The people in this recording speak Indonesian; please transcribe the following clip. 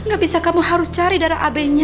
gak bisa kamu harus cari darah ab nya